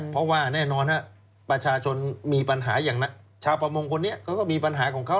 เพราะว่าแน่นอนประชาชนมีปัญหาอย่างชาวประมงคนนี้เขาก็มีปัญหาของเขา